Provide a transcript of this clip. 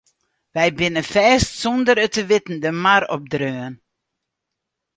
We binne fêst sûnder it te witten de mar opdreaun.